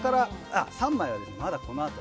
３枚はまだこのあと。